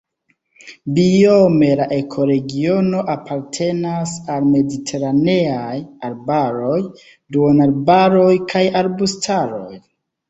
Biome la ekoregiono apartenas al mediteraneaj arbaroj, duonarbaroj kaj arbustaroj.